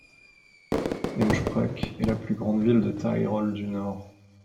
Innsbruck est la plus grande ville du Tyrol du Nord.